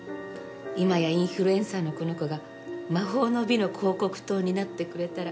今やインフルエンサーのこの子が魔法の美の広告塔になってくれたら。